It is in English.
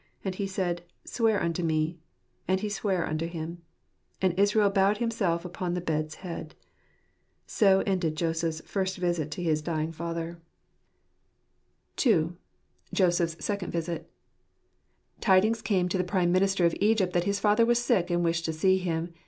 "And he said, Swear unto me. And he sware unto him. And Israel bowed himself upon the bed's head." So ended Joseph's first visit to his dying father. 143 Jfxrscplj at i \)t gcatfr grtr ai $&tob. II. Joseph's Second Visit. Tidings came to the Prime Minister of Egypt that his father was sick and wished to see him.